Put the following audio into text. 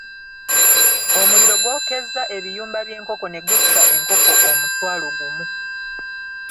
Omuliro gwokyezza ebiyumba by'enkoko ne gutta enkoko omutwalo gumu.